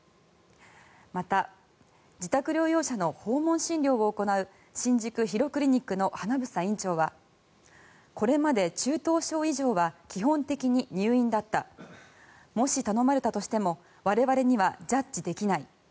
また、自宅療養者の訪問診療を行う新宿ヒロクリニックの英院長はこれまで中等症以上は基本的に入院だったもし頼まれたとしても我々にはジャッジできない。